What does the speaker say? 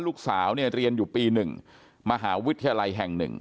ลูกสาวเรียนอยู่ปีหนึ่งมหาวิทยาลัยแห่งหนึ่ง